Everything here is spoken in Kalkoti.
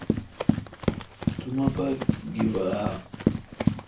تو مہ پاگیبہ اہ؟